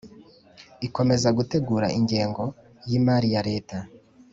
ikomeza gutegura ingengo y imari ya leta